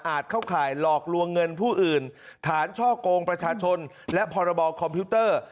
เข้าข่ายหลอกลวงเงินผู้อื่นฐานช่อกงประชาชนและพรบคอมพิวเตอร์